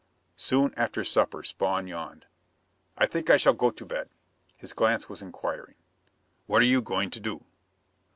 Soon after supper Spawn yawned. "I think I shall go to bed." His glance was inquiring. "What are you going to do?"